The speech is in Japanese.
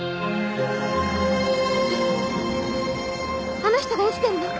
あの人が生きてるの？